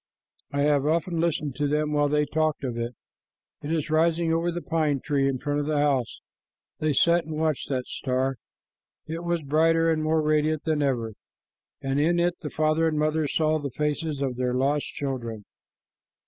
"I have often listened to them while they talked of it. It is rising over the pine tree in front of the house." They sat and watched the star. It was brighter and more radiant than ever, and in it the father and mother saw the faces of their lost children.